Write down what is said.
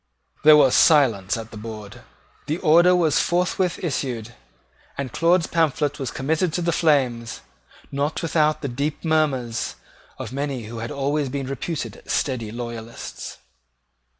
There was silence at the board. The order was forthwith issued; and Claude's pamphlet was committed to the flames, not without the deep murmurs of many who had always been reputed steady loyalists.